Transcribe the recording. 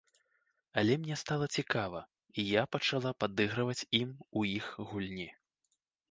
Але мне стала цікава, і я пачала падыгрываць ім у іх гульні.